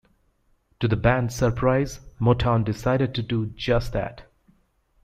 To the band's surprise, Motown decided to do just that.